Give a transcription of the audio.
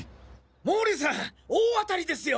毛利さん大当たりですよ！